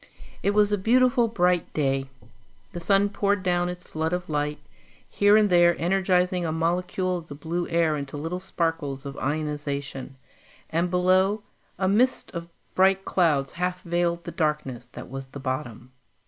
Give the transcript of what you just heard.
It was a beautiful bright day. The sun poured down its flood of light, here and there energizing a molecule of the blue air into little sparkles of ionization; and below, a mist of bright clouds half veiled the darkness that was the bottom.